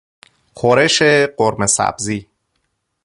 خورش قورمه سبزی